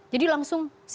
jadi langsung signifikannya